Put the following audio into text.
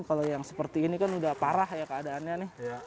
kalau yang seperti ini kan udah parah ya keadaannya nih